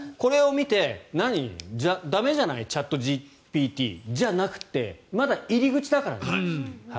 だから、これを見て駄目じゃないチャットＧＰＴじゃなくてまだ入り口だから。